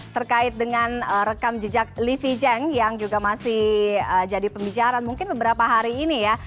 terkait dengan rekam jejak livi jeng yang juga masih jadi pembicaraan mungkin beberapa hari ini ya